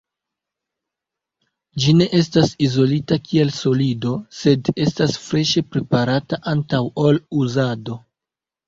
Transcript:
Ĝi ne estas izolita kiel solido, sed estas freŝe preparata antaŭ ol uzado.